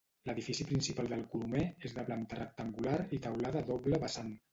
L'edifici principal del Colomer és de planta rectangular i teulada a doble vessant.